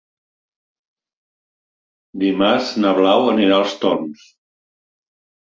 Dimarts na Blau anirà als Torms.